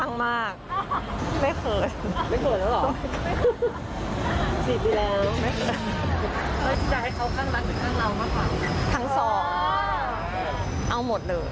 พังมากไม่เขิด